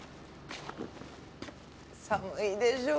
寒いでしょう。